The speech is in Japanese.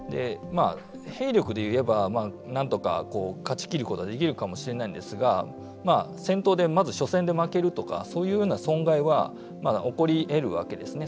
兵力で言えばなんとか勝ちきることはできるかもしれないんですが戦闘でまず初戦で負けるとかそういうふうな損害はまだ起こり得るわけですね。